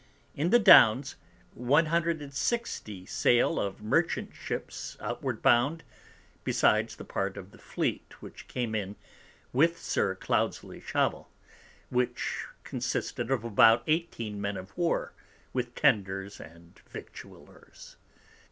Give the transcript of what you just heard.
In the Downs 160 Sail of Merchant Ships outward bound, besides that part of the Fleet which came in with Sir Cloudsly Shovel, which consisted of about 18 Men of War, with Tenders and Victuallers.